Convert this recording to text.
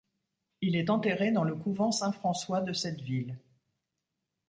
Il est enterré dans le couvent Saint-François de cette ville.